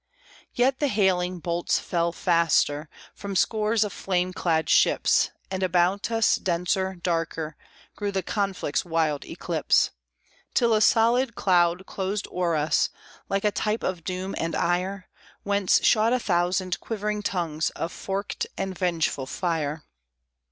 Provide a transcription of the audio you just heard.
Yet the hailing bolts fell faster, From scores of flame clad ships, And about us, denser, darker, Grew the conflict's wild eclipse, Till a solid cloud closed o'er us, Like a type of doom and ire, Whence shot a thousand quivering tongues Of forked and vengeful fire.